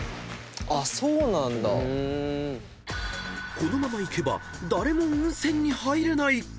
［このままいけば誰も温泉に入れない］